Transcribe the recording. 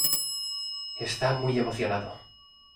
Está muy emocionado.